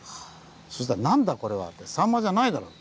そしたら「何だこれは！さんまじゃないだろう。